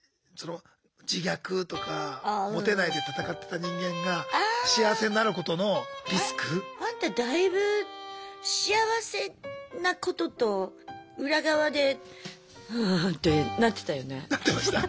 自虐とか「モテない」で戦ってた人間が幸せになることのリスク？あんただいぶ幸せなことと裏側でうんってなってたよね。